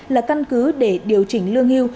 là căn cứ để điều chỉnh lương hưu